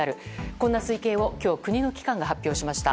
こんな推計を今日国の機関が発表しました。